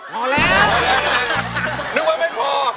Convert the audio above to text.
นึกว่าไม่พอ